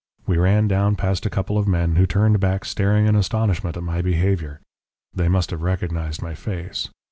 We ran down past a couple of men, who turned back staring in astonishment at my behaviour they must have recognised my face.